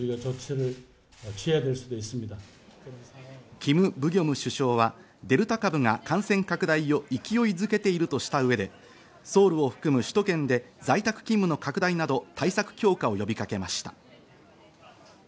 キム・ブギョム首相はデルタ株が感染拡大を勢いづけているとした上でソウルを含む首都圏で在宅勤務の拡大など対策強化を呼びかけました。